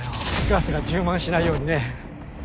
ガスが充満しないようにね。